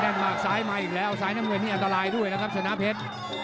แน่นมากซ้ายมาอีกแล้วซ้ายนั่งเมื่อนี้อัตรายด้วยนะครับสนาเพชร